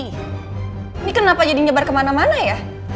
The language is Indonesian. ini kenapa jadi nyebar kemana mana ya